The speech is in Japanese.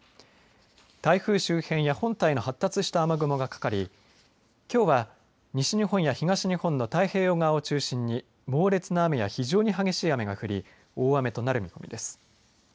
台風周辺や本体の発達した雨雲がかかりきょうは、西日本や東日本の太平洋側を中心に猛烈な雨や非常に激しい雨が降り大雨となる見込みです。